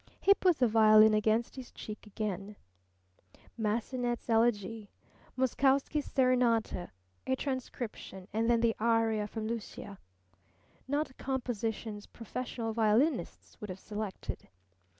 He put the violin against his cheek again. Massenet's "Elegie," Moszkowski's "Serenata," a transcription, and then the aria from Lucia. Not compositions professional violinists would have selected.